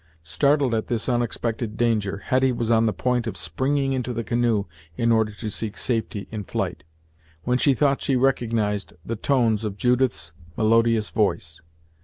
Startled at this unexpected danger Hetty was on the point of springing into the canoe in order to seek safety in flight, when she thought she recognized the tones of Judith's melodious voice.